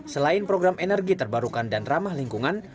selain program energi terbarukan dan ramah lingkungan